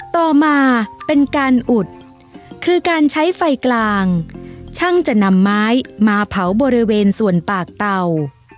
ต่อมาเป็นการอุดคือการใช้ไฟกลางช่างจะนำไม้มาเผาบริเวณส่วนปากเตา